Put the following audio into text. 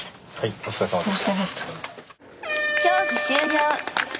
お疲れさまでした。